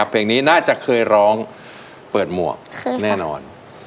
เพลงนี้น่าจะเคยร้องเปิดหมวกแน่นอน